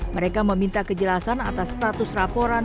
mereka meminta kejelasan atas status laporan